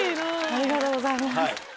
ありがとうございます。